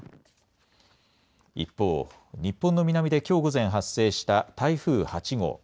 一方、日本のの南できょう午前、発生した台風８号。